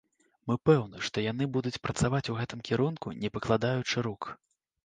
Мы пэўны, што яны будуць працаваць у гэтым кірунку не пакладаючы рук.